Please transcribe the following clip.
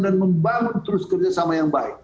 dan membangun terus kerjasama yang baik